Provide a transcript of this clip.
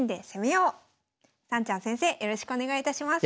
よろしくお願いします。